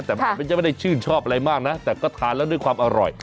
แต่มันอาจจะไม่ได้ชื่นชอบอะไรมากนะแต่ก็ทานแล้วด้วยความอร่อย